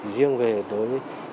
riêng về đối với